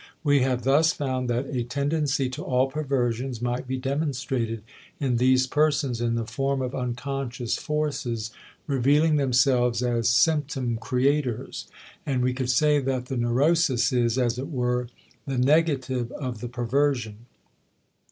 We have thus found that a tendency to all perversions might be demonstrated in these persons in the form of unconscious forces revealing themselves as symptom creators and we could say that the neurosis is, as it were, the negative of the perversion.